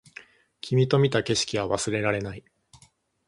君と見た景色は忘れられない